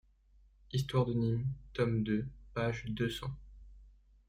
Histoire de Nîmes, tome deux, page deux cents.